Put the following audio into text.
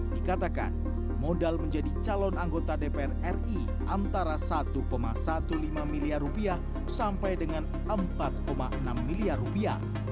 dikatakan modal menjadi calon anggota dpr ri antara satu lima belas miliar rupiah sampai dengan empat enam miliar rupiah